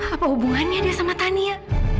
apa hubungannya deh sama tania